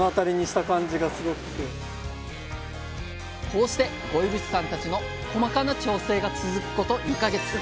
こうして五位渕さんたちの細かな調整が続くこと２か月。